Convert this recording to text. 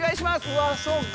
うわそうか。